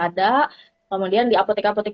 ada kemudian di apotek apotek